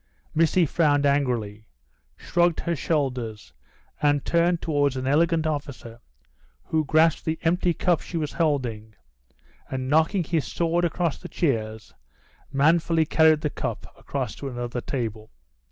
Missy frowned angrily, shrugged her shoulders, and turned towards an elegant officer, who grasped the empty cup she was holding, and knocking his sword against the chairs, manfully carried the cup across to another table.